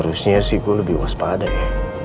harusnya sih gue lebih waspada ya